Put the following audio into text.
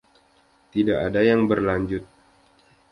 Tidak ada yang berlanjut.